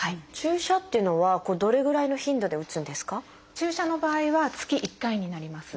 注射の場合は月１回になります。